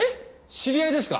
知り合いですか？